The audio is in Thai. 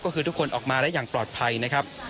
ก็คือทุกคนออกมาได้อย่างปลอดภัยนะครับ